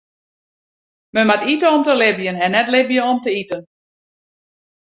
Men moat ite om te libjen en net libje om te iten.